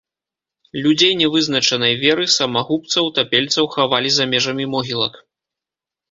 Людзей нявызначанай веры, самагубцаў, тапельцаў хавалі за межамі могілак.